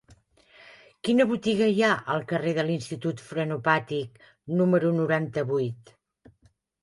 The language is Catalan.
Quina botiga hi ha al carrer de l'Institut Frenopàtic número noranta-vuit?